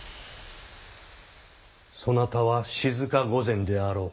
そなたは静御前であろう。